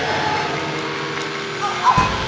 อ้าว